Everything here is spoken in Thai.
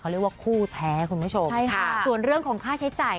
เรียกว่าคู่แท้คุณผู้ชมใช่ค่ะส่วนเรื่องของค่าใช้จ่าย